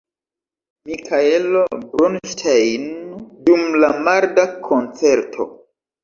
Mikaelo Bronŝtejn dum la marda koncerto.